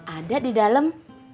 ada di dalam